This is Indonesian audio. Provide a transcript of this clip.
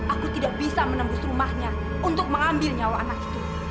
aku tidak bisa menembus rumahnya untuk mengambil nyawa anak itu